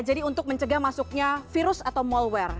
jadi untuk mencegah masuknya virus atau malware